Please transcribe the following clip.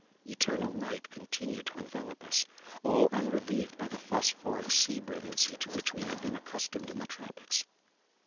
Eternal night continued to envelop us, all unrelieved by the phosphoric sea brilliancy to which we had been accustomed in the tropics.